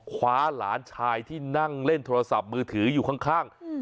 คว้าหลานชายที่นั่งเล่นโทรศัพท์มือถืออยู่ข้าง